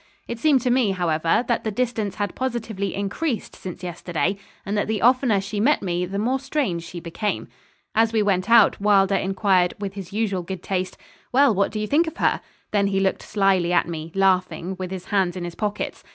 It seemed to me, however, that the distance had positively increased since yesterday, and that the oftener she met me the more strange she became. As we went out, Wylder enquired, with his usual good taste: 'Well, what do you think of her?' Then he looked slily at me, laughing, with his hands in his pockets.